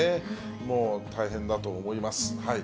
もう大変だと思います。